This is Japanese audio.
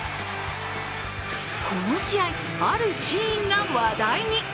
この試合、あるシーンが話題に。